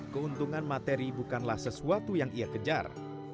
keuntungan materi bukanlah sesuatu yang ia kejar